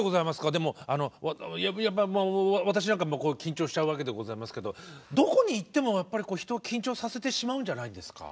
でも私なんか緊張しちゃうわけでございますけどどこに行ってもやっぱり人を緊張させてしまうんじゃないんですか？